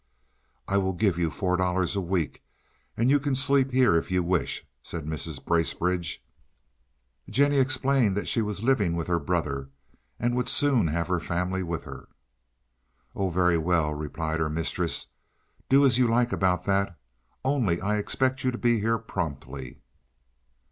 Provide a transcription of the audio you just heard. "I will give you four dollars a week, and you can sleep here if you wish," said Mrs. Bracebridge. Jennie explained that she was living with her brother, and would soon have her family with her. "Oh, very well," replied her mistress. "Do as you like about that. Only I expect you to be here promptly."